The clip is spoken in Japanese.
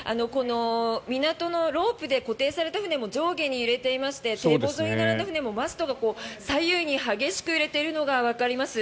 港のロープで固定された船も上下に揺れていまして堤防沿いに並ぶ船もマストが左右に激しく揺れているのがわかります。